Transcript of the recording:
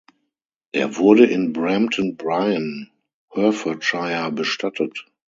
Er wurde in Brampton Bryan, Herefordshire bestattet.